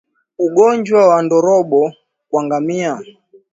Ugonjwa wa ndorobo kwa ngamia